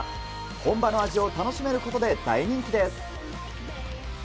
本場の味を楽しめることで大人気です。